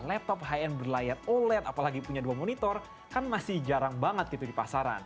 laptop high end berlayar oled apalagi punya dua monitor kan masih jarang banget gitu di pasaran